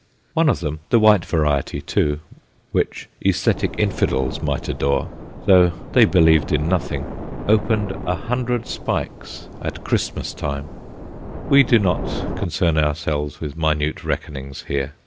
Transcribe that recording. One of them the white variety, too, which æsthetic infidels might adore, though they believed in nothing opened a hundred spikes at Christmas time; we do not concern ourselves with minute reckonings here.